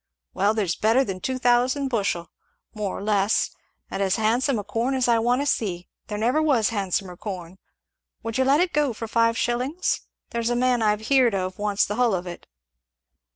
Well, there's better than two thousand bushel more or less and as handsome corn as I want to see; there never was handsomer corn. Would you let it go for five shillings? there's a man I've heerd of wants the hull of it."